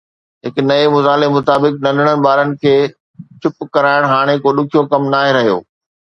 هڪ نئين مطالعي مطابق، ننڍڙن ٻارن کي چپ ڪرائڻ هاڻي ڪو ڏکيو ڪم ناهي رهيو